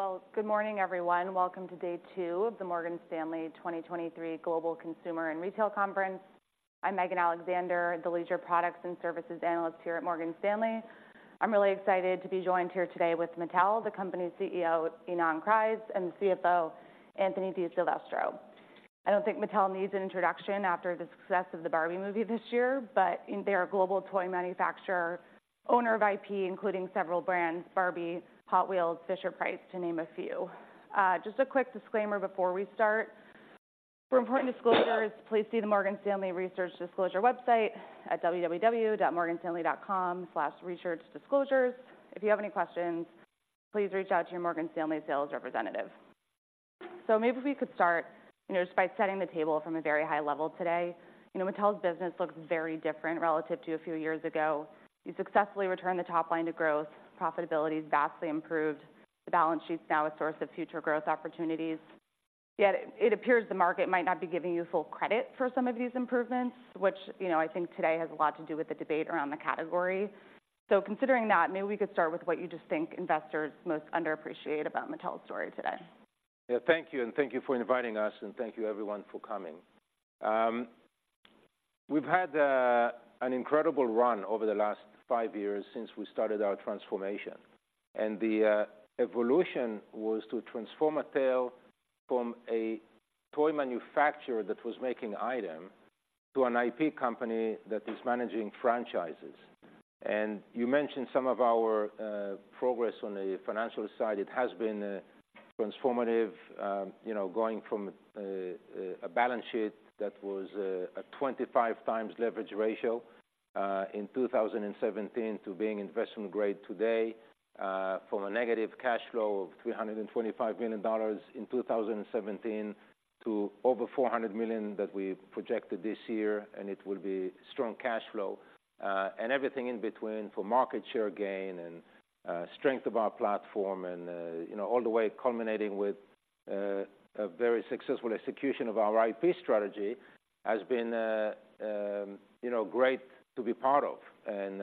Awesome! Well, good morning, everyone. Welcome to day two of the Morgan Stanley 2023 Global Consumer and Retail Conference. I'm Megan Alexander, the leisure products and services analyst here at Morgan Stanley. I'm really excited to be joined here today with Mattel, the company's CEO, Ynon Kreiz, and CFO, Anthony DiSilvestro. I don't think Mattel needs an introduction after the success of the Barbie movie this year, but they're a global toy manufacturer, owner of IP, including several brands, Barbie, Hot Wheels, Fisher-Price, to name a few. Just a quick disclaimer before we start. For important disclosures, please see the Morgan Stanley Research Disclosure website at www.morganstanley.com/researchdisclosures. If you have any questions, please reach out to your Morgan Stanley sales representative. So maybe we could start, you know, just by setting the table from a very high level today. You know, Mattel's business looks very different relative to a few years ago. You successfully returned the top line to growth. Profitability is vastly improved. The balance sheet is now a source of future growth opportunities, yet it appears the market might not be giving you full credit for some of these improvements, which, you know, I think today has a lot to do with the debate around the category. Considering that, maybe we could start with what you just think investors most underappreciate about Mattel's story today. Yeah, thank you, and thank you for inviting us, and thank you everyone for coming. We've had an incredible run over the last five years since we started our transformation, and the evolution was to transform Mattel from a toy manufacturer that was making item to an IP company that is managing franchises. You mentioned some of our progress on the financial side. It has been transformative, you know, going from a balance sheet that was a 25x leverage ratio in 2017 to being investment grade today. From a negative cash flow of $325 million in 2017 to over $400 million that we've projected this year, and it will be strong cash flow, and everything in between for market share gain and strength of our platform and, you know, all the way culminating with a very successful execution of our IP strategy has been, you know, great to be part of, and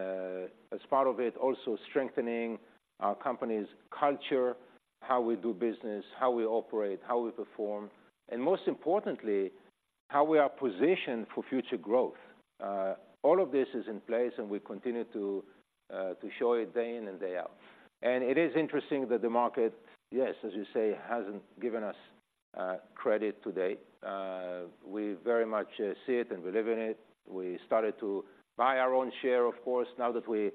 as part of it, also strengthening our company's culture, how we do business, how we operate, how we perform, and most importantly, how we are positioned for future growth. All of this is in place, and we continue to show it day in and day out. It is interesting that the market, yes, as you say, hasn't given us credit today. We very much see it, and we live in it. We started to buy our own share, of course, now that we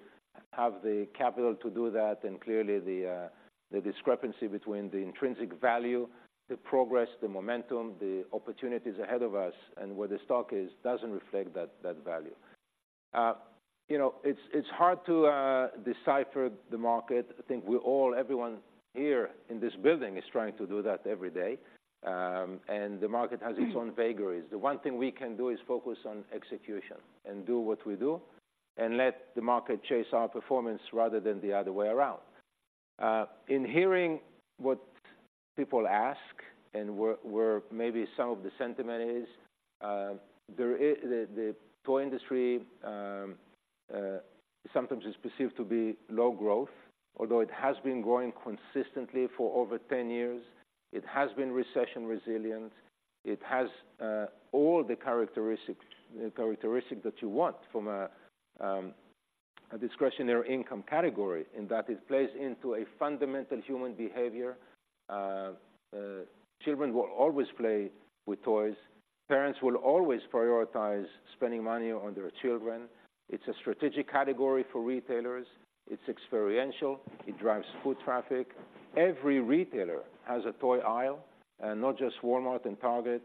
have the capital to do that, and clearly the discrepancy between the intrinsic value, the progress, the momentum, the opportunities ahead of us and where the stock is, doesn't reflect that value. You know, it's hard to decipher the market. I think we all, everyone here in this building is trying to do that every day, and the market has its own vagaries. The one thing we can do is focus on execution and do what we do and let the market chase our performance rather than the other way around. In hearing what people ask and where maybe some of the sentiment is, there is... The toy industry sometimes is perceived to be low growth, although it has been growing consistently for over 10 years. It has been recession resilient. It has all the characteristics, the characteristic that you want from a, a discretionary income category, in that it plays into a fundamental human behavior. Children will always play with toys. Parents will always prioritize spending money on their children. It's a strategic category for retailers. It's experiential. It drives foot traffic. Every retailer has a toy aisle, and not just Walmart and Target.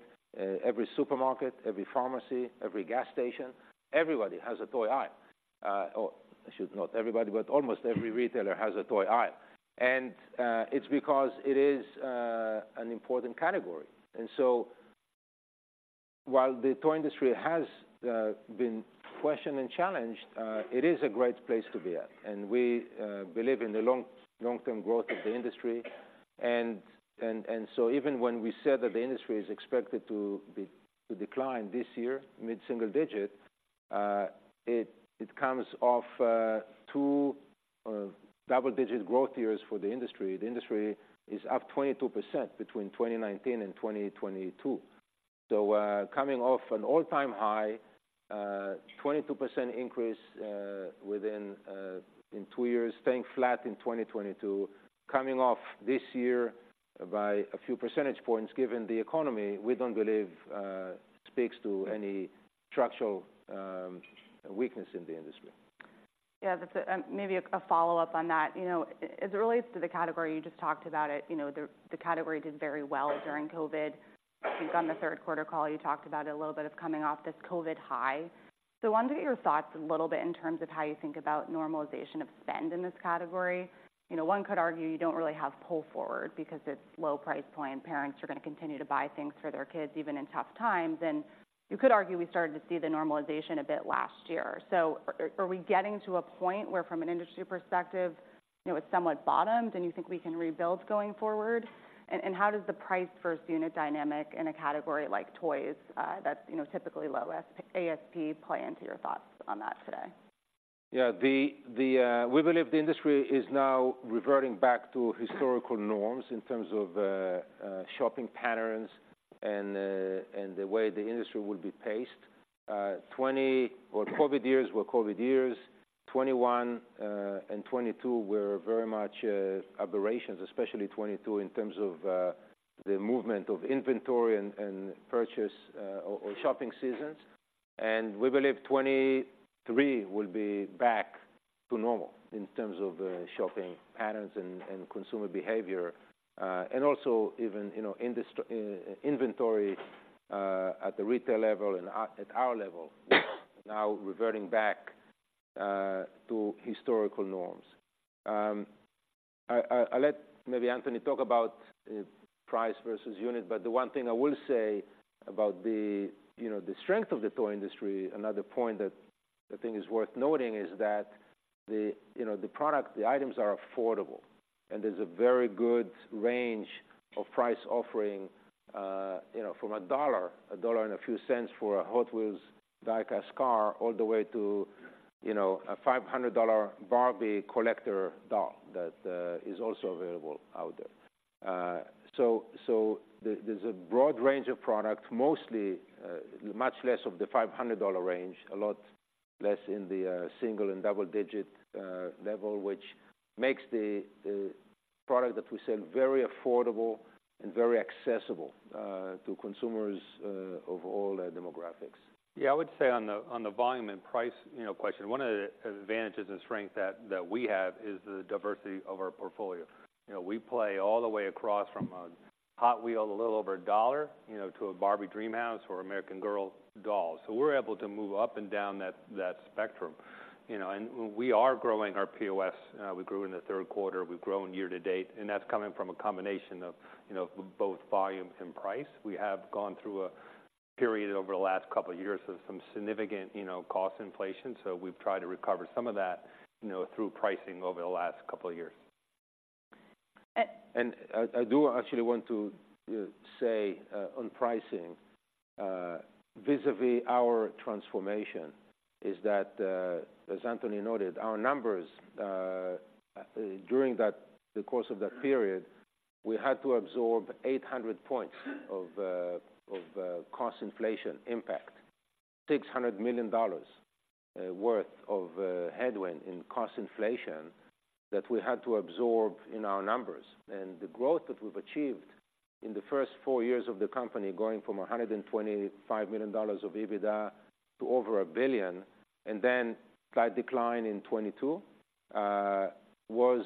Every supermarket, every pharmacy, every gas station, everybody has a toy aisle. Excuse not everybody, but almost every retailer has a toy aisle, and it's because it is an important category. And so while the toy industry has been questioned and challenged, it is a great place to be at, and we believe in the long-term growth of the industry. And so even when we said that the industry is expected to decline this year, mid-single-digit, it comes off two double-digit growth years for the industry. The industry is up 22% between 2019 and 2022. So, coming off an all-time high, 22% increase within two years, staying flat in 2022, coming off this year by a few percentage points, given the economy, we don't believe speaks to any structural weakness in the industry. Yeah, that's a... maybe a follow-up on that. You know, as it relates to the category, you just talked about it, you know, the category did very well during COVID. I think on the third quarter call, you talked about it a little bit of coming off this COVID high. So wanted to get your thoughts a little bit in terms of how you think about normalization of spend in this category. You know, one could argue you don't really have pull forward because it's low price point. Parents are going to continue to buy things for their kids, even in tough times. And you could argue we started to see the normalization a bit last year. So are we getting to a point where, from an industry perspective, you know, it's somewhat bottomed, and you think we can rebuild going forward? How does the price per unit dynamic in a category like toys, that's, you know, typically low ASP play into your thoughts on that today? ... Yeah, we believe the industry is now reverting back to historical norms in terms of shopping patterns and the way the industry will be paced. 2020 COVID years were COVID years, 2021 and 2022 were very much aberrations, especially 2022, in terms of the movement of inventory and purchase or shopping seasons. And we believe 2023 will be back to normal in terms of shopping patterns and consumer behavior and also even, you know, industry inventory at the retail level and at our level, now reverting back to historical norms. I'll let maybe Anthony talk about price versus unit, but the one thing I will say about the, you know, the strength of the toy industry, another point that I think is worth noting, is that the, you know, the product, the items are affordable, and there's a very good range of price offering, you know, from $1, $1 and a few cents for a Hot Wheels die-cast car, all the way to, you know, a $500 Barbie collector doll that is also available out there. So, there's a broad range of product, mostly, much less of the $500 range, a lot less in the single and double digit level, which makes the product that we sell very affordable and very accessible to consumers of all demographics. Yeah, I would say on the volume and price, you know, question, one of the advantages and strength that we have is the diversity of our portfolio. You know, we play all the way across from a Hot Wheels, a little over $1, you know, to a Barbie DreamHouse or American Girl dolls. So we're able to move up and down that spectrum, you know, and we are growing our POS. We grew in the third quarter, we've grown year to date, and that's coming from a combination of, you know, both volume and price. We have gone through a period over the last couple of years of some significant, you know, cost inflation, so we've tried to recover some of that, you know, through pricing over the last couple of years. Uh- I do actually want to say on pricing vis-a-vis our transformation, is that as Anthony noted, our numbers during the course of that period, we had to absorb 800 points of cost inflation impact, $600 million worth of headwind in cost inflation that we had to absorb in our numbers. The growth that we've achieved in the first four years of the company, going from $125 million of EBITDA to over $1 billion, and then slight decline in 2022, was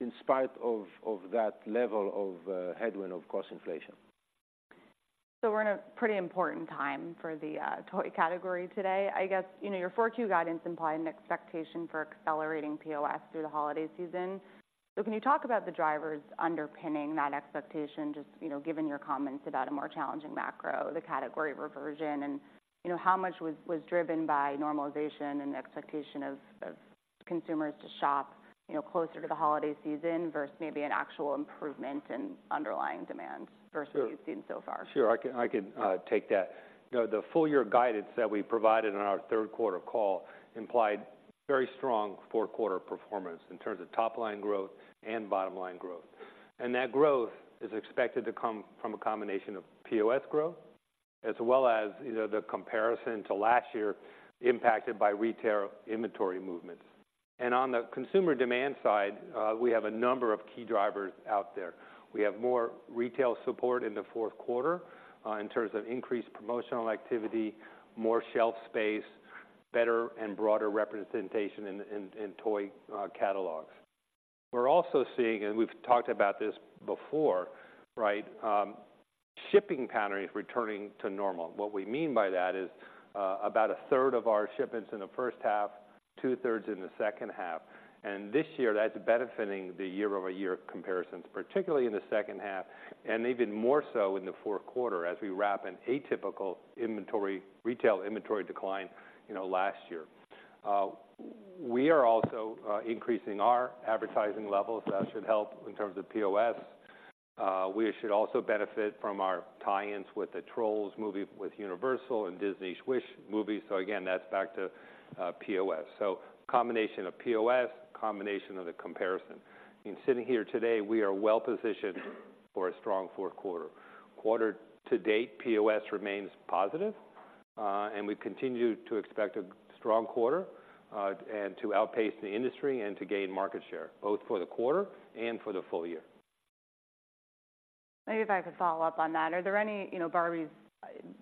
in spite of that level of headwind of cost inflation. So we're in a pretty important time for the toy category today. I guess, you know, your Q4 guidance implied an expectation for accelerating POS through the holiday season. So can you talk about the drivers underpinning that expectation, just, you know, given your comments about a more challenging macro, the category reversion, and, you know, how much was driven by normalization and expectation of consumers to shop, you know, closer to the holiday season versus maybe an actual improvement in underlying demand versus what you've seen so far? Sure, I can take that. You know, the full year guidance that we provided on our third quarter call implied very strong fourth quarter performance in terms of top line growth and bottom line growth. And that growth is expected to come from a combination of POS growth, as well as, you know, the comparison to last year, impacted by retail inventory movements. And on the consumer demand side, we have a number of key drivers out there. We have more retail support in the fourth quarter, in terms of increased promotional activity, more shelf space, better and broader representation in toy catalogs. We're also seeing, and we've talked about this before, right? Shipping patterns returning to normal. What we mean by that is, about a third of our shipments in the first half, two-thirds in the second half, and this year, that's benefiting the year-over-year comparisons, particularly in the second half, and even more so in the fourth quarter as we wrap an atypical inventory, retail inventory decline, you know, last year. We are also increasing our advertising levels. That should help in terms of POS. We should also benefit from our tie-ins with the Trolls movie with Universal and Disney's Wish movie. So again, that's back to POS. So combination of POS, combination of the comparison. In sitting here today, we are well positioned for a strong fourth quarter. Quarter to date, POS remains positive, and we continue to expect a strong quarter, and to outpace the industry and to gain market share, both for the quarter and for the full year. Maybe if I could follow up on that. Are there any... You know, Barbie's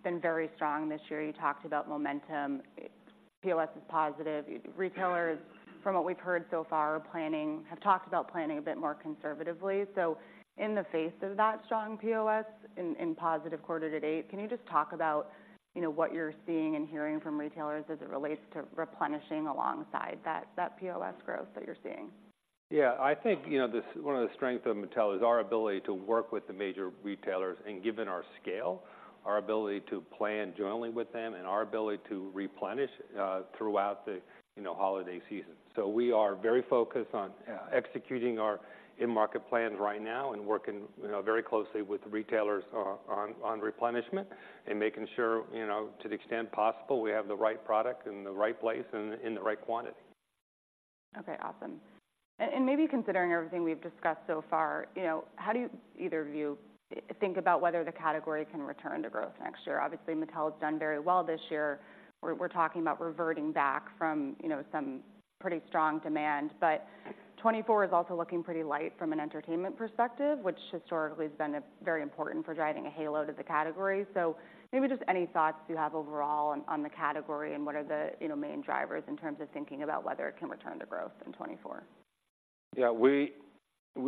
been very strong this year. You talked about momentum. POS is positive. Retailers, from what we've heard so far, have talked about planning a bit more conservatively. So in the face of that strong POS in positive quarter to date, can you just talk about, you know, what you're seeing and hearing from retailers as it relates to replenishing alongside that POS growth that you're seeing? Yeah, I think, you know, this one of the strengths of Mattel is our ability to work with the major retailers, and given our scale, our ability to plan jointly with them and our ability to replenish throughout the, you know, holiday season. So we are very focused on executing our in-market plans right now and working, you know, very closely with retailers on replenishment and making sure, you know, to the extent possible, we have the right product in the right place and in the right quantity.... Okay, awesome. And maybe considering everything we've discussed so far, you know, how do you, either of you, think about whether the category can return to growth next year? Obviously, Mattel has done very well this year. We're talking about reverting back from, you know, some pretty strong demand. But 2024 is also looking pretty light from an entertainment perspective, which historically has been very important for driving a halo to the category. So maybe just any thoughts you have overall on the category and what are the, you know, main drivers in terms of thinking about whether it can return to growth in 2024. Yeah,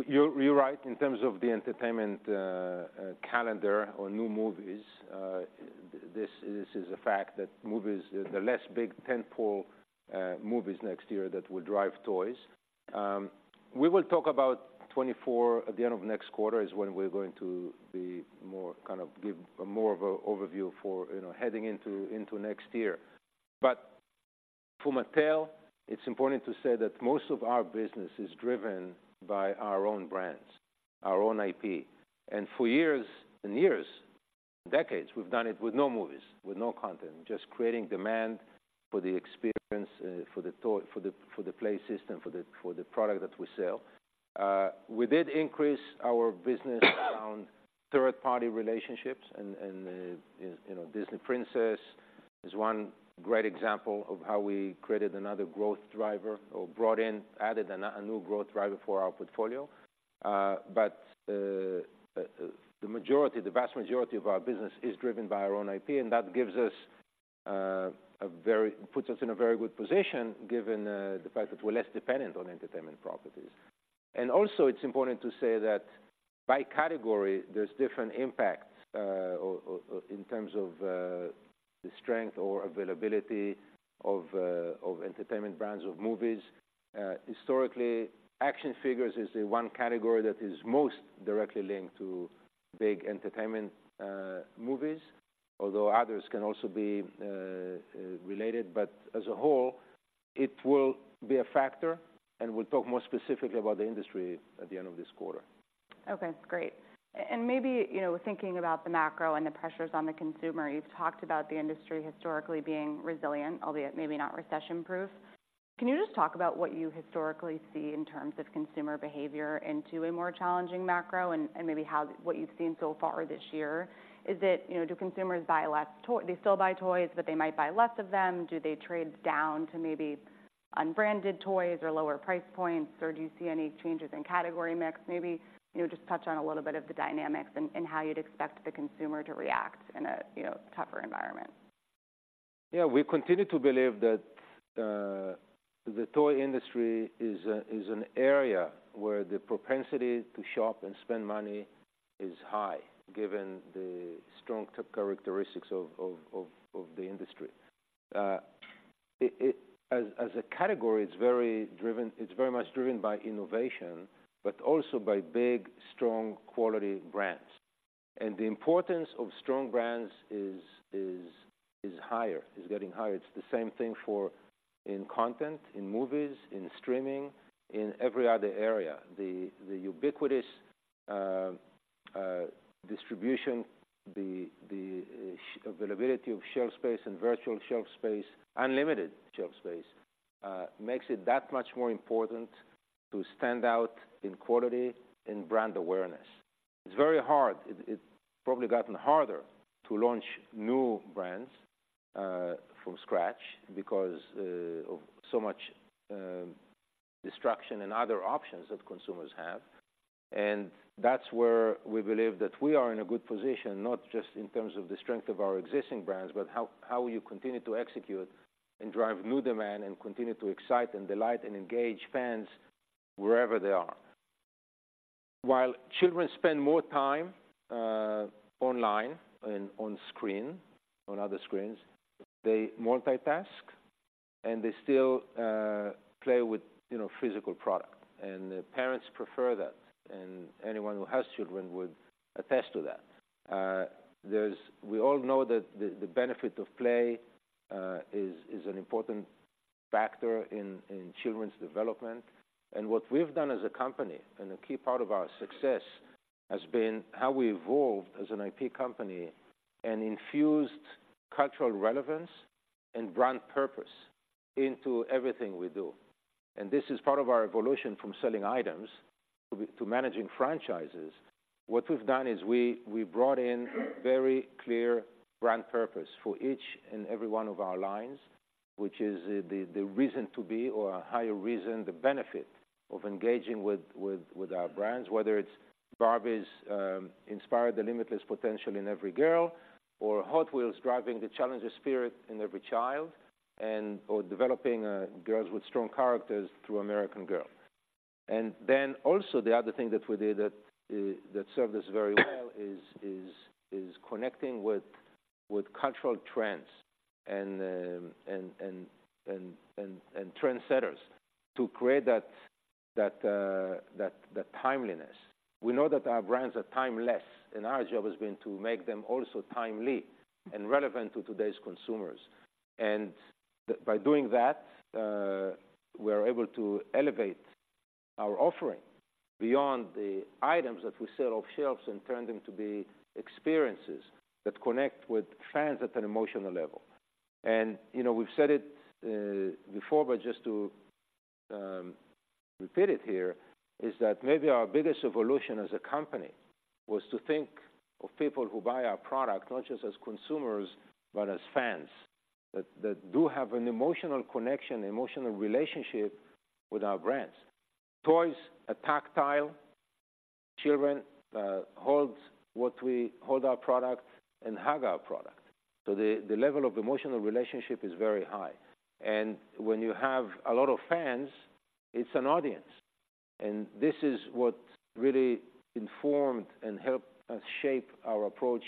you're right in terms of the entertainment calendar or new movies. This is a fact that movies, the less big tentpole movies next year that will drive toys. We will talk about 2024 at the end of next quarter, is when we're going to be more kind of give a more of a overview for, you know, heading into next year. But for Mattel, it's important to say that most of our business is driven by our own brands, our own IP. And for years and years, decades, we've done it with no movies, with no content, just creating demand for the experience, for the toy, for the play system, for the product that we sell. We did increase our business around third-party relationships and, you know, Disney Princess is one great example of how we created another growth driver or brought in, added a new growth driver for our portfolio. But the majority, the vast majority of our business is driven by our own IP, and that gives us a very... Puts us in a very good position, given the fact that we're less dependent on entertainment properties. And also, it's important to say that by category, there's different impacts in terms of the strength or availability of entertainment brands, of movies. Historically, action figures is the one category that is most directly linked to big entertainment movies, although others can also be related. As a whole, it will be a factor, and we'll talk more specifically about the industry at the end of this quarter. Okay, great. Maybe, you know, thinking about the macro and the pressures on the consumer, you've talked about the industry historically being resilient, albeit maybe not recession-proof. Can you just talk about what you historically see in terms of consumer behavior into a more challenging macro, and maybe how what you've seen so far this year? Is it, you know, do consumers buy less toys, they still buy toys, but they might buy less of them? Do they trade down to maybe unbranded toys or lower price points, or do you see any changes in category mix? Maybe, you know, just touch on a little bit of the dynamics and how you'd expect the consumer to react in a, you know, tougher environment. Yeah, we continue to believe that the toy industry is an area where the propensity to shop and spend money is high, given the strong characteristics of the industry. It as a category, it's very driven, it's very much driven by innovation, but also by big, strong, quality brands. And the importance of strong brands is higher, is getting higher. It's the same thing for in content, in movies, in streaming, in every other area. The ubiquitous distribution, the availability of shelf space and virtual shelf space, unlimited shelf space makes it that much more important to stand out in quality and brand awareness. It's very hard. It's probably gotten harder to launch new brands from scratch because of so much distraction and other options that consumers have. That's where we believe that we are in a good position, not just in terms of the strength of our existing brands, but how you continue to execute and drive new demand and continue to excite and delight and engage fans wherever they are. While children spend more time online and on screen, on other screens, they multitask, and they still play with, you know, physical product, and the parents prefer that, and anyone who has children would attest to that. We all know that the benefit of play is an important factor in children's development. And what we've done as a company, and a key part of our success, has been how we evolved as an IP company and infused cultural relevance and brand purpose into everything we do. This is part of our evolution from selling items to managing franchises. What we've done is we brought in very clear brand purpose for each and every one of our lines, which is the reason to be or a higher reason, the benefit of engaging with our brands, whether it's Barbie's inspire the limitless potential in every girl, or Hot Wheels driving the challenging spirit in every child, and/or developing girls with strong characters through American Girl. Then also, the other thing that we did that served us very well is connecting with cultural trends and trendsetters to create that timeliness. We know that our brands are timeless, and our job has been to make them also timely and relevant to today's consumers. By doing that, we're able to elevate our offering beyond the items that we sell off shelves and turn them to be experiences that connect with fans at an emotional level. You know, we've said it before, but just to repeat it here, is that maybe our biggest evolution as a company was to think of people who buy our product, not just as consumers, but as fans, that, that do have an emotional connection, emotional relationship with our brands. Toys are tactile. Children hold our product and hug our product. So the level of emotional relationship is very high, and when you have a lot of fans, it's an audience. And this is what really informed and helped us shape our approach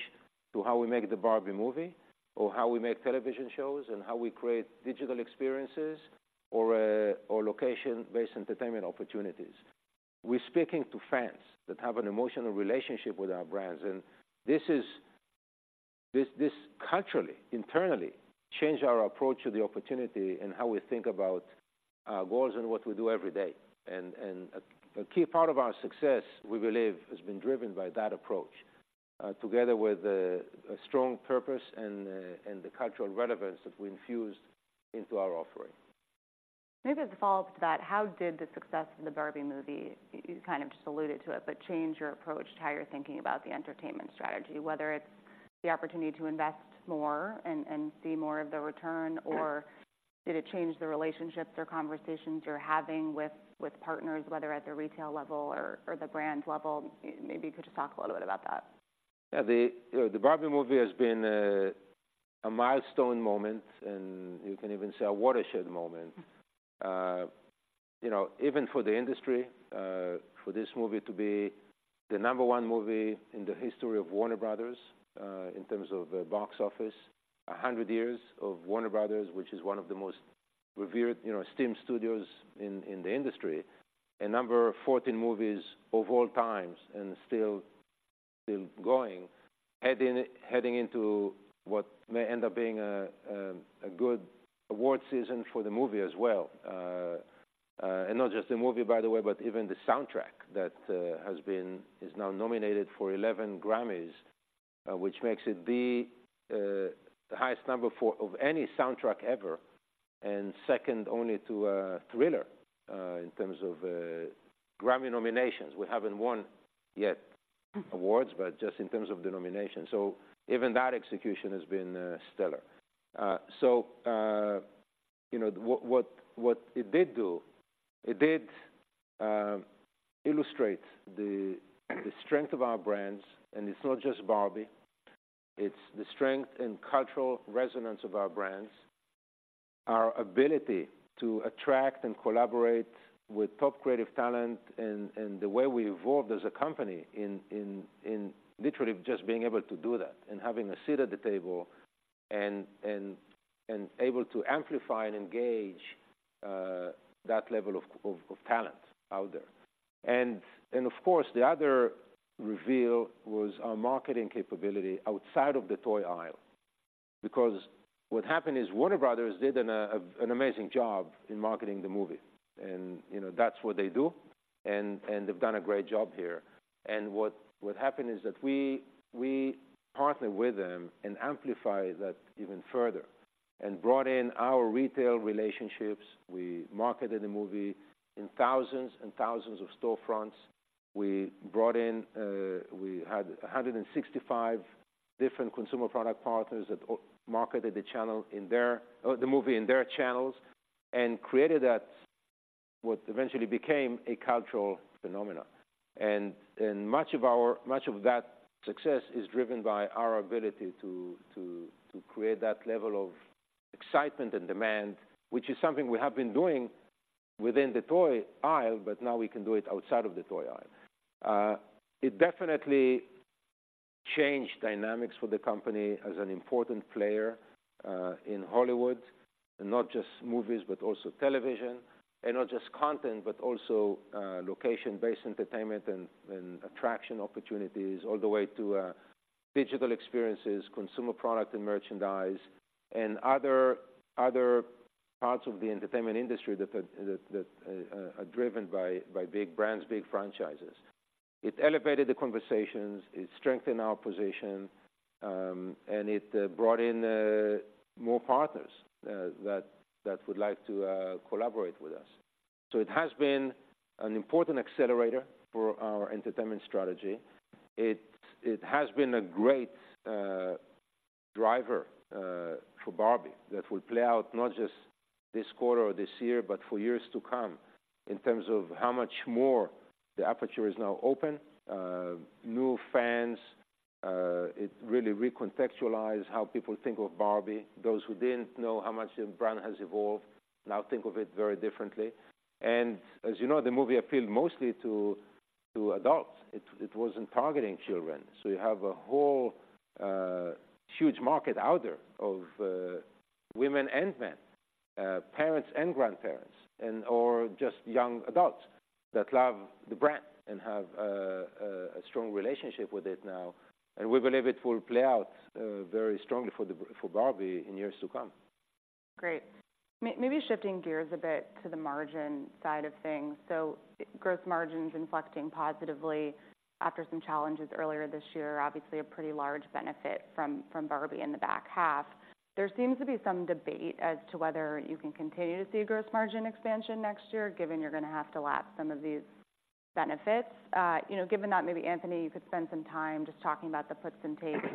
to how we make the Barbie movie or how we make television shows and how we create digital experiences or location-based entertainment opportunities. We're speaking to fans that have an emotional relationship with our brands, and this culturally, internally, changed our approach to the opportunity and how we think about our goals and what we do every day. And a key part of our success, we believe, has been driven by that approach, together with a strong purpose and the cultural relevance that we infused into our offering. Maybe to follow up to that, how did the success of the Barbie movie, you kind of just alluded to it, but change your approach to how you're thinking about the entertainment strategy, whether it's the opportunity to invest more and, and see more of the return, or did it change the relationships or conversations you're having with, with partners, whether at the retail level or, or the brand level? Maybe you could just talk a little bit about that. Yeah, the Barbie movie has been a milestone moment, and you can even say a watershed moment. You know, even for the industry, for this movie to be the number one movie in the history of Warner Bros., in terms of box office, 100 years of Warner Bros., which is one of the most revered, you know, esteemed studios in the industry, and number 14 movies of all times and still going, heading into what may end up being a good award season for the movie as well. And not just the movie, by the way, but even the soundtrack that has been -- is now nominated for 11 Grammys, which makes it the highest number for of any soundtrack ever, and second only to Thriller in terms of Grammy nominations. We haven't won yet awards, but just in terms of the nominations. So even that execution has been stellar. So you know, what it did do, it did illustrate the strength of our brands, and it's not just Barbie. It's the strength and cultural resonance of our brands, our ability to attract and collaborate with top creative talent, and the way we evolved as a company in literally just being able to do that and having a seat at the table and able to amplify and engage that level of talent out there. And of course, the other reveal was our marketing capability outside of the toy aisle, because what happened is Warner Bros. did an amazing job in marketing the movie. And, you know, that's what they do, and they've done a great job here. And what happened is that we partnered with them and amplified that even further and brought in our retail relationships. We marketed the movie in thousands and thousands of storefronts. We brought in, we had 165 different consumer product partners that marketed the movie in their channels and created that, what eventually became a cultural phenomenon. And much of that success is driven by our ability to create that level of excitement and demand, which is something we have been doing within the toy aisle, but now we can do it outside of the toy aisle. It definitely changed dynamics for the company as an important player in Hollywood, and not just movies, but also television, and not just content, but also location-based entertainment and attraction opportunities, all the way to digital experiences, consumer product and merchandise, and other parts of the entertainment industry that are driven by big brands, big franchises. It elevated the conversations, it strengthened our position, and it brought in more partners that would like to collaborate with us. So it has been an important accelerator for our entertainment strategy. It has been a great driver for Barbie that will play out not just this quarter or this year, but for years to come in terms of how much more the aperture is now open. New fans, it really recontextualized how people think of Barbie. Those who didn't know how much the brand has evolved now think of it very differently. And as you know, the movie appealed mostly to adults. It wasn't targeting children. So you have a whole, huge market out there of women and men, parents and grandparents and/or just young adults that love the brand and have a strong relationship with it now, and we believe it will play out very strongly for Barbie in years to come.... Great! Maybe shifting gears a bit to the margin side of things. So gross margins inflecting positively after some challenges earlier this year, obviously a pretty large benefit from Barbie in the back half. There seems to be some debate as to whether you can continue to see a gross margin expansion next year, given you're going to have to lap some of these benefits. You know, given that, maybe Anthony, you could spend some time just talking about the puts and takes,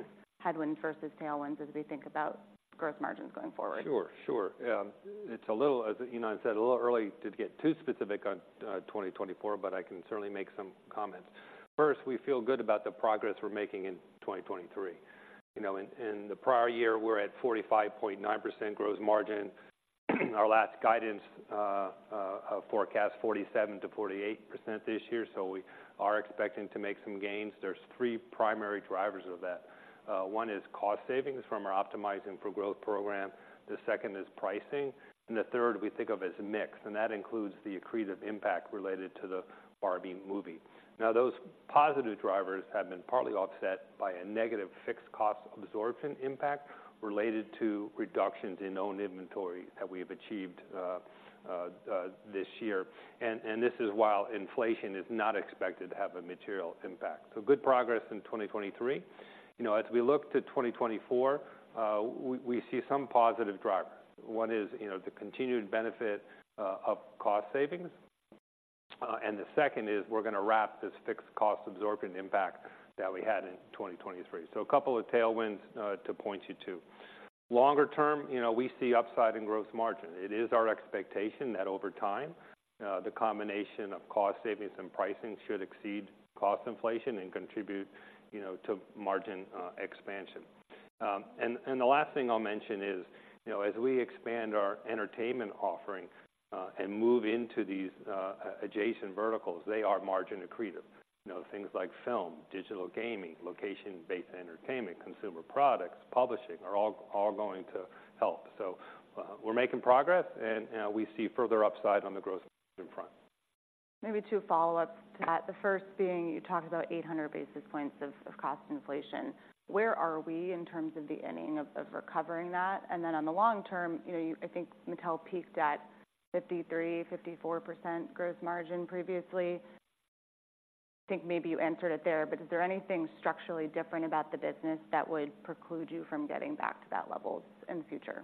headwinds versus tailwinds, as we think about gross margins going forward. Sure, sure. Yeah, it's a little, as Ynon said, a little early to get too specific on 2024, but I can certainly make some comments. First, we feel good about the progress we're making in 2023. You know, in the prior year, we're at 45.9% gross margin. Our last guidance forecast 47%-48% this year, so we are expecting to make some gains. There's three primary drivers of that. One is cost savings from our Optimizing for Growth program, the second is pricing, and the third we think of as mix, and that includes the accretive impact related to the Barbie movie. Now, those positive drivers have been partly offset by a negative fixed cost absorption impact related to reductions in own inventory that we've achieved this year. This is while inflation is not expected to have a material impact. So good progress in 2023. You know, as we look to 2024, we see some positive drivers. One is, you know, the continued benefit of cost savings, and the second is we're going to wrap this fixed cost absorption impact that we had in 2023. So a couple of tailwinds to point you to. Longer term, you know, we see upside in gross margin. It is our expectation that over time, the combination of cost savings and pricing should exceed cost inflation and contribute, you know, to margin expansion. The last thing I'll mention is, you know, as we expand our entertainment offering and move into these adjacent verticals, they are margin accretive. You know, things like film, digital gaming, location-based entertainment, consumer products, publishing, are all going to help. So, we're making progress, and, we see further upside on the gross margin front. Maybe two follow-ups to that. The first being, you talked about 800 basis points of cost inflation. Where are we in terms of the inning of recovering that? And then on the long term, you know, you, I think Mattel peaked at 53%-54% gross margin previously. I think maybe you answered it there, but is there anything structurally different about the business that would preclude you from getting back to that level in the future?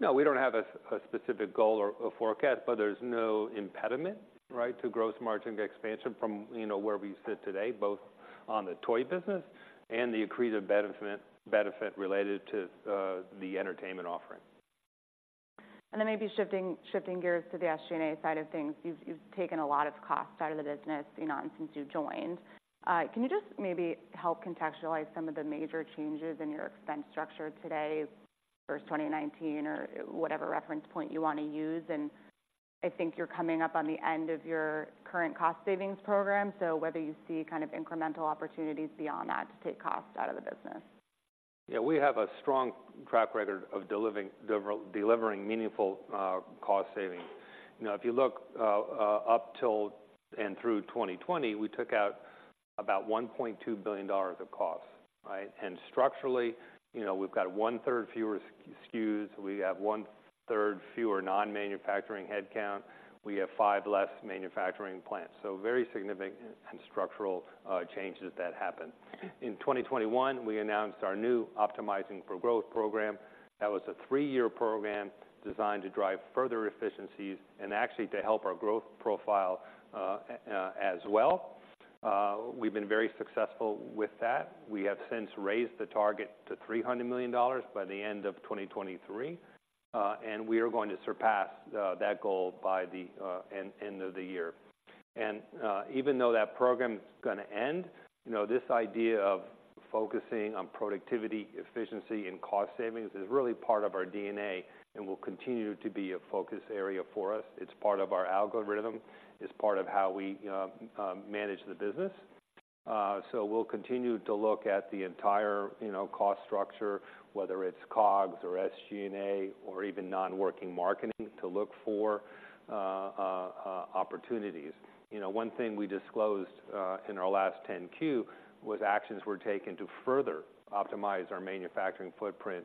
No, we don't have a specific goal or a forecast, but there's no impediment, right, to gross margin expansion from, you know, where we sit today, both on the toy business and the accretive benefit related to the entertainment offering. And then maybe shifting, shifting gears to the SG&A side of things. You've, you've taken a lot of cost out of the business, you know, since you've joined. Can you just maybe help contextualize some of the major changes in your expense structure today versus 2019 or whatever reference point you want to use? And I think you're coming up on the end of your current cost savings program, so whether you see kind of incremental opportunities beyond that to take cost out of the business. Yeah, we have a strong track record of delivering meaningful cost savings. You know, if you look up till and through 2020, we took out about $1.2 billion of costs, right? And structurally, you know, we've got one third fewer SKUs, we have one third fewer non-manufacturing headcount, we have five fewer manufacturing plants. So very significant structural changes that happened. In 2021, we announced our new Optimizing for Growth program. That was a three-year program designed to drive further efficiencies and actually to help our growth profile as well. We've been very successful with that. We have since raised the target to $300 million by the end of 2023, and we are going to surpass that goal by the end of the year. Even though that program is going to end, you know, this idea of focusing on productivity, efficiency, and cost savings is really part of our DNA and will continue to be a focus area for us. It's part of our algorithm. It's part of how we manage the business. So we'll continue to look at the entire, you know, cost structure, whether it's COGS or SG&A or even non-working marketing, to look for opportunities. You know, one thing we disclosed in our last 10-Q was actions were taken to further optimize our manufacturing footprint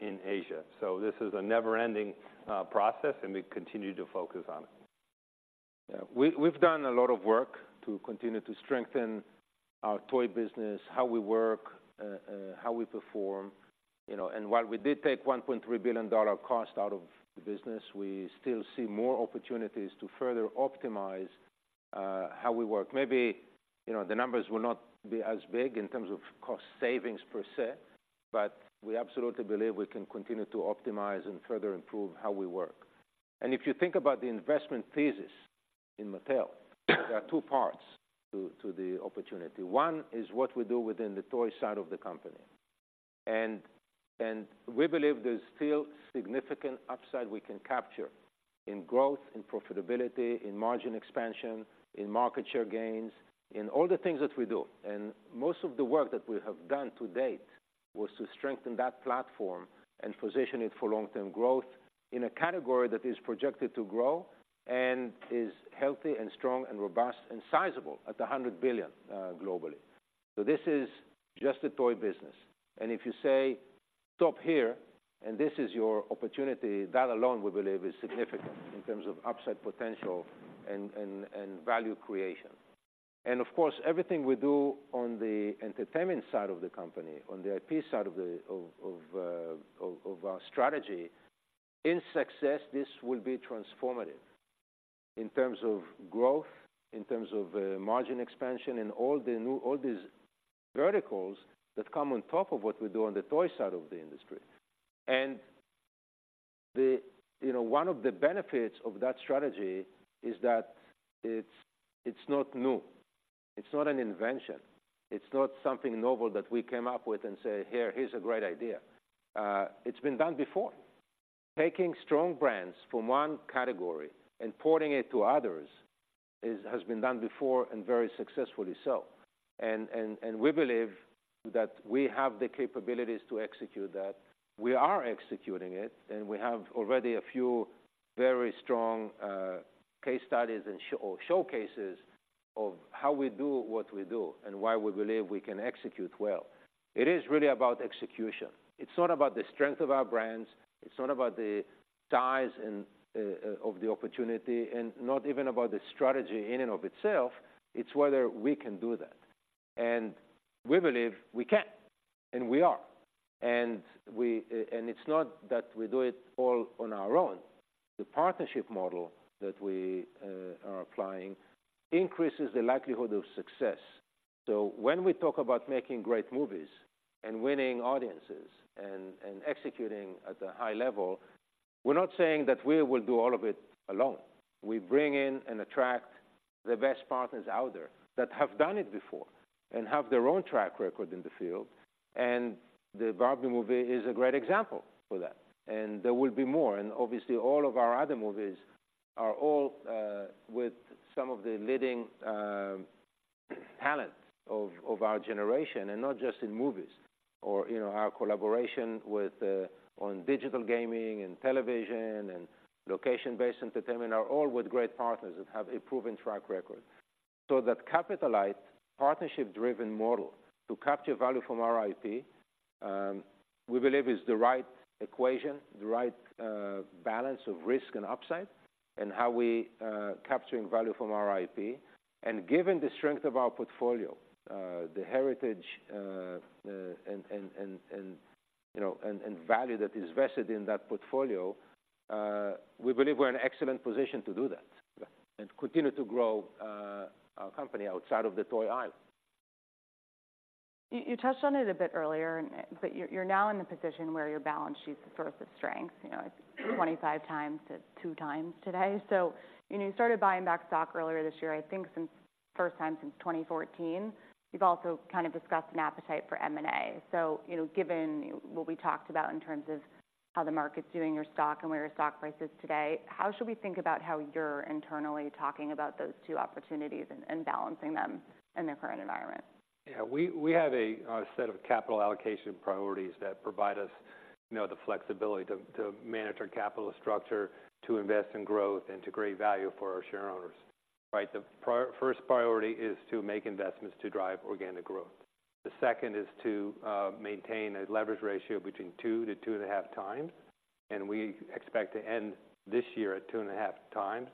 in Asia. So this is a never-ending process, and we continue to focus on it. Yeah, we've done a lot of work to continue to strengthen our toy business, how we work, how we perform, you know, and while we did take $1.3 billion cost out of the business, we still see more opportunities to further optimize how we work. Maybe, you know, the numbers will not be as big in terms of cost savings per se, but we absolutely believe we can continue to optimize and further improve how we work. And if you think about the investment thesis in Mattel, there are two parts to the opportunity. One is what we do within the toy side of the company, and we believe there's still significant upside we can capture in growth, in profitability, in margin expansion, in market share gains, in all the things that we do. Most of the work that we have done to date was to strengthen that platform and position it for long-term growth in a category that is projected to grow and is healthy and strong and robust and sizable at $100 billion globally. So this is just a toy business, and if you say stop here, and this is your opportunity, that alone, we believe, is significant in terms of upside potential and, and, and value creation. And of course, everything we do on the entertainment side of the company, on the IP side of the, of, of, of, of our strategy, in success, this will be transformative in terms of growth, in terms of, margin expansion and all these verticals that come on top of what we do on the toy side of the industry. The, you know, one of the benefits of that strategy is that it's not new. It's not an invention. It's not something novel that we came up with and said, "Here, here's a great idea." It's been done before. Taking strong brands from one category and porting it to others has been done before and very successfully so. We believe that we have the capabilities to execute that. We are executing it, and we have already a few very strong case studies or showcases of how we do what we do and why we believe we can execute well. It is really about execution. It's not about the strength of our brands, it's not about the size and of the opportunity, and not even about the strategy in and of itself. It's whether we can do that, and we believe we can, and we are. It's not that we do it all on our own. The partnership model that we are applying increases the likelihood of success. So when we talk about making great movies and winning audiences and executing at a high level, we're not saying that we will do all of it alone. We bring in and attract the best partners out there that have done it before and have their own track record in the field, and the Barbie movie is a great example for that, and there will be more. And obviously, all of our other movies are all with some of the leading talent of our generation, and not just in movies or, you know, our collaboration with on digital gaming and television and location-based entertainment are all with great partners that have a proven track record. So that capitalized, partnership-driven model to capture value from our IP, we believe is the right equation, the right balance of risk and upside in how we capturing value from our IP. And given the strength of our portfolio, the heritage and you know and value that is vested in that portfolio, we believe we're in an excellent position to do that and continue to grow our company outside of the toy aisle. You touched on it a bit earlier, but you're now in the position where your balance sheet is source of strength. You know, it's 25x to 2x today. So, you know, you started buying back stock earlier this year, I think, first time since 2014. You've also kind of discussed an appetite for M&A. So, you know, given what we talked about in terms of how the market's doing, your stock and where your stock price is today, how should we think about how you're internally talking about those two opportunities and balancing them in the current environment? Yeah, we have a set of capital allocation priorities that provide us, you know, the flexibility to manage our capital structure, to invest in growth and to create value for our shareowners, right? The first priority is to make investments to drive organic growth. The second is to maintain a leverage ratio between 2-2.5x, and we expect to end this year at 2.5x.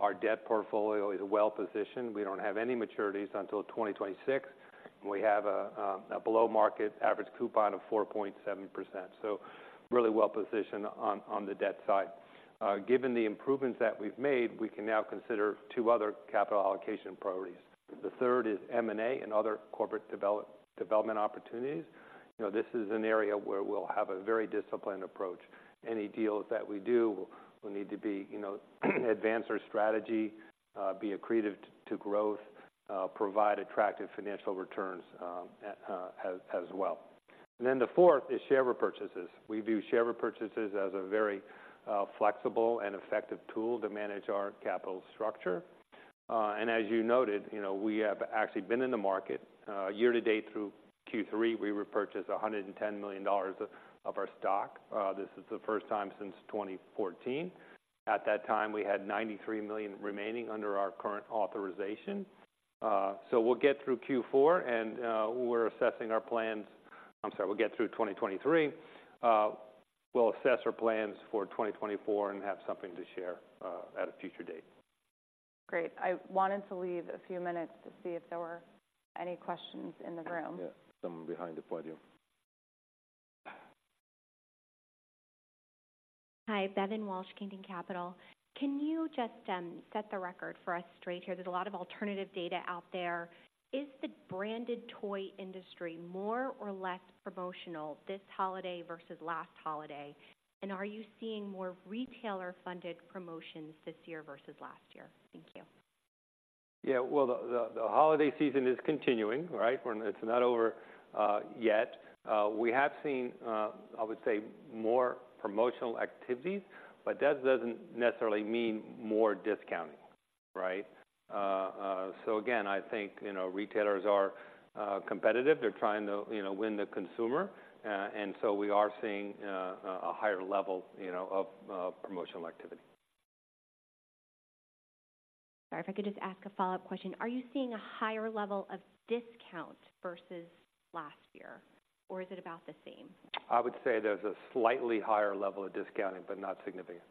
Our debt portfolio is well positioned. We don't have any maturities until 2026, and we have a below-market average coupon of 4.7%, so really well positioned on the debt side. Given the improvements that we've made, we can now consider two other capital allocation priorities. The third is M&A and other corporate development opportunities. You know, this is an area where we'll have a very disciplined approach. Any deals that we do will need to be, you know, advance our strategy, be accretive to growth, provide attractive financial returns, as well. And then the fourth is share repurchases. We view share repurchases as a very flexible and effective tool to manage our capital structure. And as you noted, you know, we have actually been in the market. Year to date through Q3, we repurchased $110 million of our stock. This is the first time since 2014. At that time, we had $93 million remaining under our current authorization. So we'll get through Q4, and we're assessing our plans. I'm sorry, we'll get through 2023. We'll assess our plans for 2024 and have something to share at a future date. Great. I wanted to leave a few minutes to see if there were any questions in the room. Yeah, someone behind the podium. Hi, Bevin Walsh, Kingdon Capital. Can you just set the record for us straight here? There's a lot of alternative data out there. Is the branded toy industry more or less promotional this holiday versus last holiday? And are you seeing more retailer-funded promotions this year versus last year? Thank you. Yeah, well, the holiday season is continuing, right? It's not over yet. We have seen, I would say, more promotional activities, but that doesn't necessarily mean more discounting, right? So again, I think, you know, retailers are competitive. They're trying to, you know, win the consumer, and so we are seeing a higher level, you know, of promotional activity.... Sorry, if I could just ask a follow-up question. Are you seeing a higher level of discount versus last year, or is it about the same? I would say there's a slightly higher level of discounting, but not significant.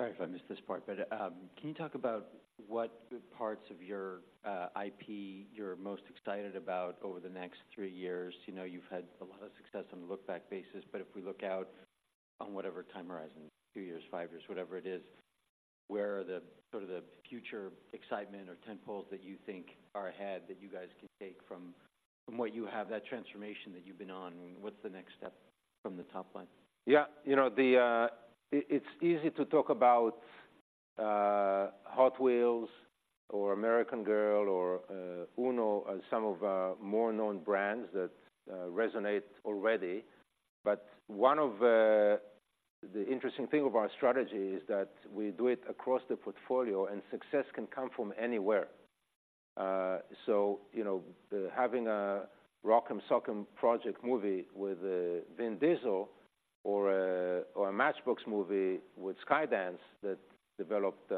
Sorry if I missed this part, but can you talk about what parts of your IP you're most excited about over the next three years? You know, you've had a lot of success on a look-back basis, but if we look out on whatever time horizon, two years, five years, whatever it is, where are the sort of the future excitement or tentpoles that you think are ahead, that you guys can take from what you have, that transformation that you've been on, what's the next step from the top line? Yeah. You know, it's easy to talk about Hot Wheels or American Girl or UNO as some of our more known brands that resonate already. But one of the interesting thing of our strategy is that we do it across the portfolio, and success can come from anywhere. So, you know, having a Rock 'Em Sock 'Em project movie with Vin Diesel or a Matchbox movie with Skydance that developed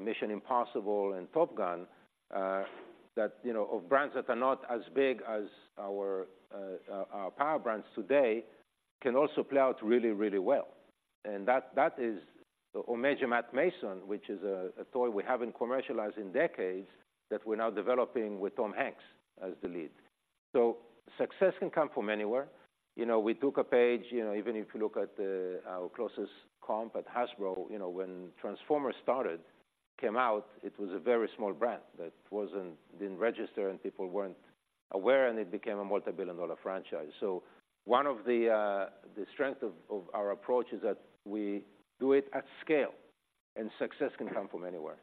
Mission: Impossible and Top Gun, that, you know, of brands that are not as big as our power brands today can also play out really, really well. And that is or Major Matt Mason, which is a toy we haven't commercialized in decades, that we're now developing with Tom Hanks as the lead. So success can come from anywhere. You know, we took a page, you know, even if you look at the, our closest comp at Hasbro, you know, when Transformers started, came out, it was a very small brand that wasn't- didn't register and people weren't aware, and it became a multi-billion dollar franchise. So one of the, the strength of, of our approach is that we do it at scale, and success can come from anywhere.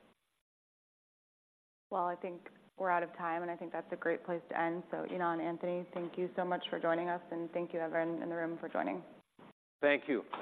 Well, I think we're out of time, and I think that's a great place to end. So Ynon and Anthony, thank you so much for joining us, and thank you everyone in the room for joining. Thank you.